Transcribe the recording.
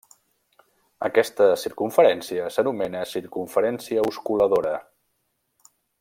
Aquesta circumferència s'anomena circumferència osculadora.